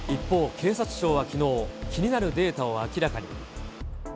一方、警察庁はきのう、気になるデータを明らかに。